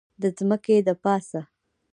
د ځمکې دپاسه